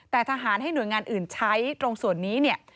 แต่ทหารให้หน่วยงานอื่นใช้ตรงส่วนนี้เนี่ย